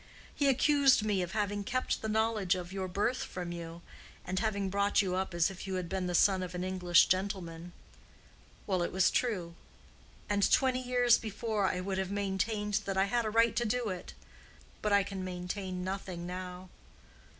He accused me of having kept the knowledge of your birth from you, and having brought you up as if you had been the son of an English gentleman. Well, it was true; and twenty years before I would have maintained that I had a right to do it. But I can maintain nothing now.